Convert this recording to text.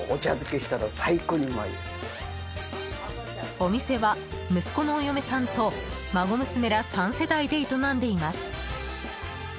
お店は息子のお嫁さんと孫娘ら３世代で営んでいます。